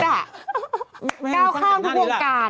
ได้ข้ามทุกโครงการ